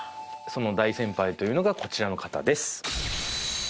その大先輩というのがこちらの方です。